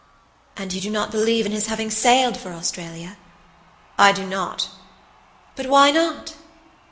"And you do not believe in his having sailed for Australia?" "I do not." "But why not?"